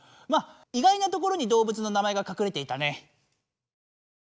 まあ意外なところに動物の名前が隠れていたね。